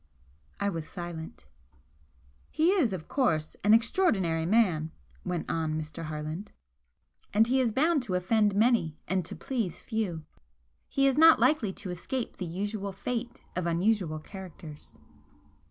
I was silent. "He is, of course, an extraordinary man," went on Mr. Harland "and he is bound to offend many and to please few. He is not likely to escape the usual fate of unusual characters.